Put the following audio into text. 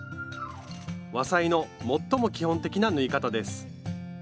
和裁の最も基本的な縫い方です。